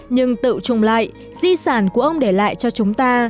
nhưng tự trùng lại di sản của ông để lại cho chúng ta